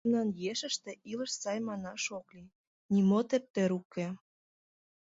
Мемнан ешыште илыш сай манаш ок лий, нимо тептер уке.